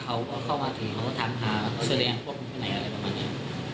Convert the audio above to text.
เขาก็เข้ามาถึงเขาก็ถามหาเสื้อแดงพวกมันไปไหนอะไรประมาณนี้